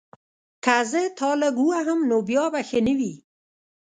که زه تا لږ ووهم نو بیا به ښه نه وي